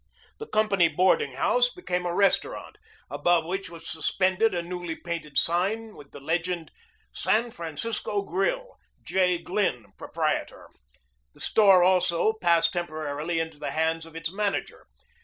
The company boarding house became a restaurant, above which was suspended a newly painted sign with the legend, "San Francisco Grill, J. Glynn, Proprietor." The store also passed temporarily into the hands of its manager.